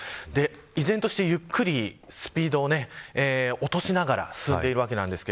依然としてゆっくりスピードを落としながら進んでいるわけです。